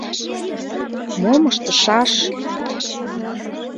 «Мом ыштышаш...